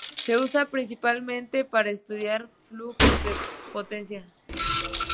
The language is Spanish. Se usa principalmente para estudiar flujos de potencia.